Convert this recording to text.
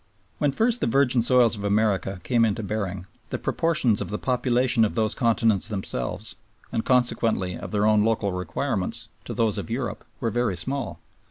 When first the virgin soils of America came into bearing, the proportions of the population of those continents themselves, and consequently of their own local requirements, to those of Europe were very small.